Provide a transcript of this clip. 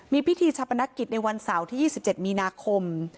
มีพิธีชาปนกิจในวันเสาร์ที่๒๗มีนาคม